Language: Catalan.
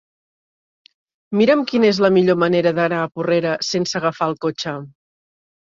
Mira'm quina és la millor manera d'anar a Porrera sense agafar el cotxe.